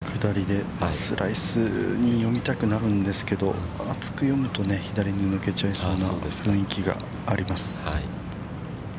◆下りで、スライスに読みたくなるんですけど、厚く読むと、左に抜けちゃいそうな雰囲気があります。